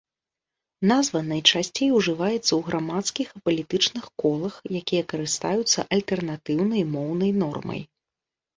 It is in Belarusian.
Назва найчасцей ужываецца ў грамадскіх і палітычных колах, якія карыстаюцца альтэрнатыўнай моўнай нормай.